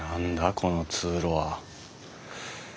この通路は。